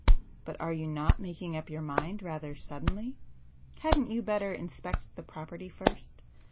"But are you not making up your mind rather suddenly? Hadn't you better inspect the property first?